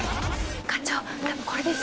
課長多分これです。